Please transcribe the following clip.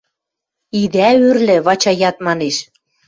— Идӓ ӱрлӹ, — Вачаят манеш.